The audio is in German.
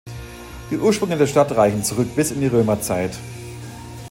Die Ursprünge der Stadt reichen zurück bis in die Römerzeit.